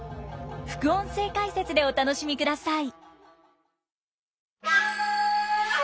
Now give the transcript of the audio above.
副音声解説でお楽しみください。